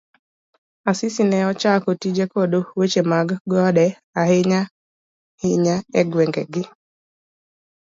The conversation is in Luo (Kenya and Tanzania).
Asisi ne osechako tije koda weche mag gode ahinya hinya e gweng' gi.